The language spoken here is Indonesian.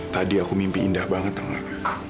tadi aku mimpi indah banget tau gak